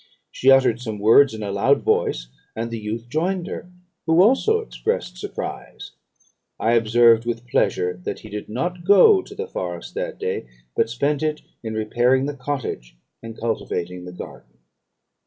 She uttered some words in a loud voice, and the youth joined her, who also expressed surprise. I observed, with pleasure, that he did not go to the forest that day, but spent it in repairing the cottage, and cultivating the garden.